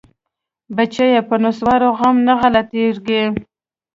بچيه په نسوارو غم نه غلطيګي.